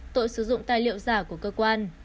tội sử dụng tài liệu giả của cơ quan